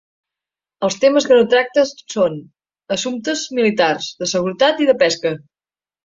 Els temes que no tracten són: assumptes militars, de seguretat i de pesca.